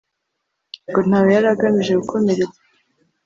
ngo ntawe yari agamije gukomeretsa